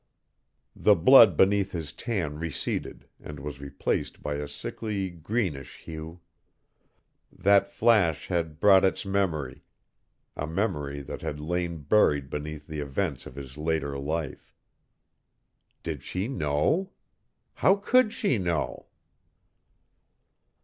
The blood beneath his tan receded and was replaced by a sickly greenish hue. That flash had brought its memory a memory that had lain buried beneath the events of his later life. Did she know? How could she know?